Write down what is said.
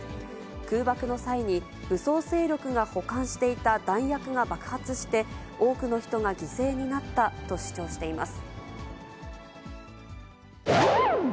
空爆の際に武装勢力が保管していた弾薬が爆発して、多くの人が犠牲になったと主張しています。